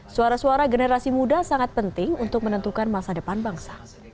suara suara generasi muda sangat penting untuk menentukan masa depan bangsa